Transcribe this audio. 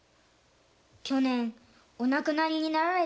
去年お亡くなりになられた。